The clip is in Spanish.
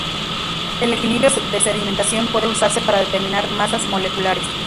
El equilibrio de sedimentación puede usarse para determinar masas moleculares.